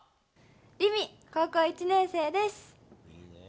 凛美、高校１年生です。